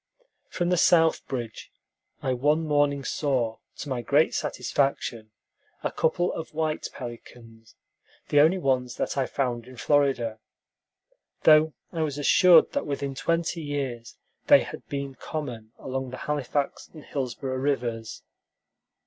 From the south bridge I one morning saw, to my great satisfaction, a couple of white pelicans, the only ones that I found in Florida, though I was assured that within twenty years they had been common along the Halifax and Hillsborough rivers.